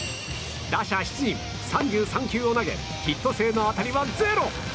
打者７人３３球を投げヒット性の当たりはゼロ。